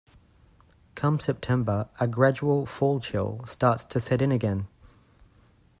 Come September, a gradual fall chill starts to set in again.